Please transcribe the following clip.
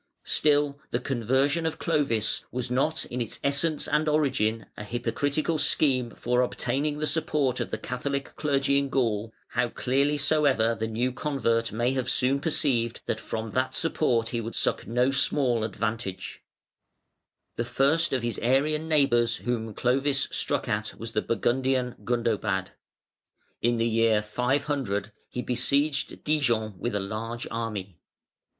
Still the conversion of Clovis was not in its essence and origin a hypocritical scheme for obtaining the support of the Catholic clergy in Gaul, how clearly so ever the new convert may have soon perceived that from that support he would "suck no small advantage". [Footnote 95: Especially Dahn ("Urgeschichte der germanischen Völker", iii., 61).] The first of his Arian neighbours whom Clovis struck at was the Burgundian, Gundobad. In the year 500 he beseiged Dijon with a large army.